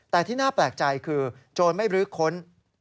แต่ที่น่าแปลกใจคือโจรไม่บรื้อค้น